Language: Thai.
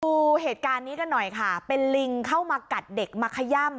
ดูเหตุการณ์นี้กันหน่อยค่ะเป็นลิงเข้ามากัดเด็กมาขย่ำ